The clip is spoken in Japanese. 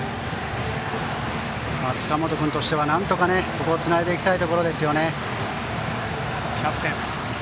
塚本君としてはなんとかここはつないでいきたい。